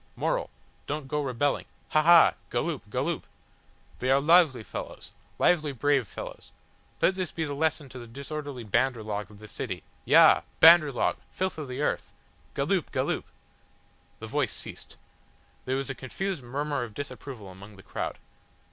Moral don't go rebelling. Haha! Galloop, Galloop! They are lively fellows. Lively brave fellows. Let this be a lesson to the disorderly banderlog of this city. Yah! Banderlog! Filth of the earth! Galloop, Galloop!" The voice ceased. There was a confused murmur of disapproval among the crowd.